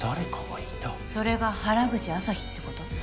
それが原口朝陽ってこと？